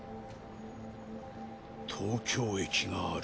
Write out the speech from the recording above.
東京駅がある。